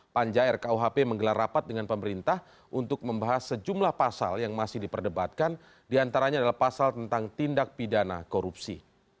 panja rkuhp menggelar rapat dengan pemerintah untuk membahas sejumlah pasal yang masih diperdebatkan diantaranya adalah pasal tentang tindak pidana korupsi